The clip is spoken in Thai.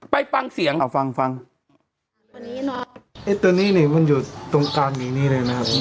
ไปฟังเสียงเอาฟังฟังตัวนี้เนี้ยมันอยู่ตรงกลางอย่างงี้เลยนะครับ